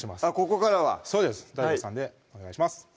ここからはＤＡＩＧＯさんでお願いします